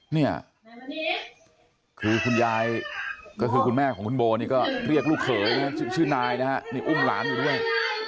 เนี่ยคือคุณยายก็คือคุณแม่ของคุณโบนี่ก็เรียกลูกเขยชื่อนายนะฮะนี่อุ้มหลานอยู่ด้วย